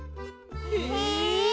へえ！